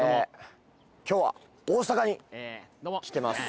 今日は大阪に来てます